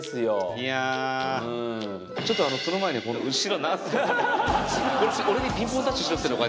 いやちょっとあのその前にこの後ろ何すか？